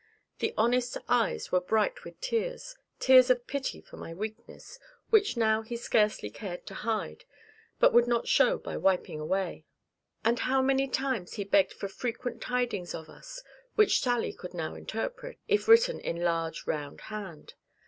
The honest eyes were bright with tears, tears of pity for my weakness, which now he scarcely cared to hide, but would not show by wiping away; and how many times he begged for frequent tidings of us, which Sally could now interpret, if written in large round hand.